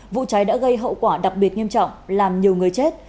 vụ cháy đã gây hậu quả đặc biệt nghiêm trọng làm nhiều người chết